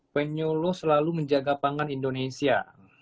penyolo selalu menjaga pangan indonesia